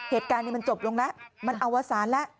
เหตุการณ์นี้มันจบลงแล้วมันอวสารแล้ว